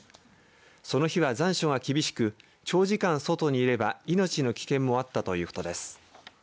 その日は残暑が厳しく長時間外に入れば命の危険もあったということです。